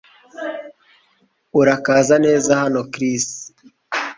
Urakaza neza hano Chris